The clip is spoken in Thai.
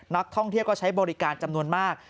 นักท่องเที่ยวก็ใช้บริการจำนวนมาก